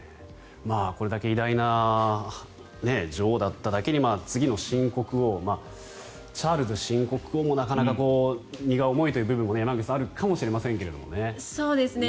これだけ偉大な女王だっただけに次の新国王チャールズ新国王もなかなか荷が重いという部分も山口さんあるかもしれませんけどね。